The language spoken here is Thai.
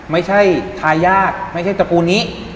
ไม่ใช่ทายาทไม่ใช่ตระกูลนี้